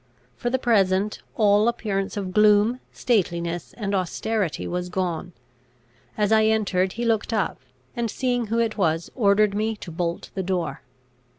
For the present, all appearance of gloom, stateliness, and austerity was gone. As I entered he looked up, and, seeing who it was, ordered me to bolt the door.